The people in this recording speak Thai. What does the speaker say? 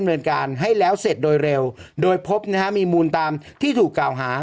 เนินการให้แล้วเสร็จโดยเร็วโดยพบนะฮะมีมูลตามที่ถูกกล่าวหา